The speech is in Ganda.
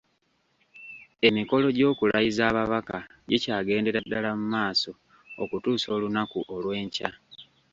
Emikolo gy’okulayiza ababaka gikyagendera ddala mu maaso okutuusa olunaku olw’enkya.